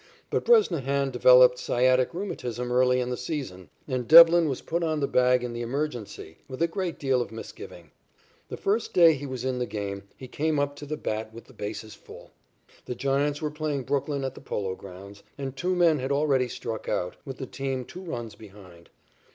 But Bresnahan developed sciatic rheumatism early in the season, and Devlin was put on the bag in the emergency with a great deal of misgiving. The first day he was in the game he came up to the bat with the bases full. The Giants were playing Brooklyn at the Polo Grounds, and two men had already struck out, with the team two runs behind.